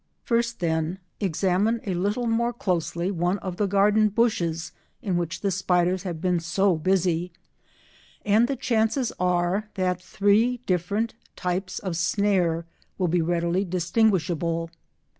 First, then, examine a little more closely one of the garden bushes in which the spiders have been so busy, and the chances are that three different types of snare will be readily distinguishable.